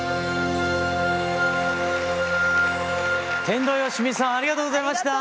天童よしみさんありがとうございました。